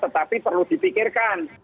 tetapi perlu dipikirkan